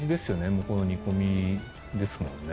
向こうの煮込みですもんね。